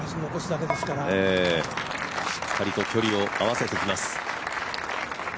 しっかりと距離を合わせてきます。